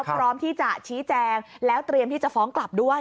พร้อมที่จะชี้แจงแล้วเตรียมที่จะฟ้องกลับด้วย